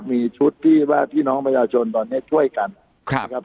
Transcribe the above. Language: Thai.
มีชุดที่ว่าพี่น้องประชาชนตอนนี้ช่วยกันนะครับ